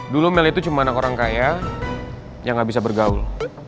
dulu mell itu cuma anak orang kaya yang gak bisa bergaul